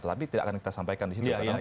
tetapi tidak akan kita sampaikan disitu